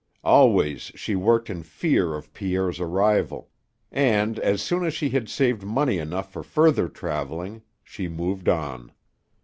Always she worked in fear of Pierre's arrival, and, as soon as she had saved money enough for further traveling, she moved on.